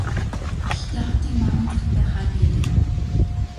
Гэхдээ хотын баруун зүгт байх аа гээрэй.